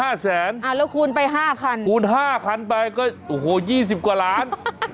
แล้วคูณไปห้าคันคูณ๕คันไปก็โอ้โหยี่สิบกว่าล้าน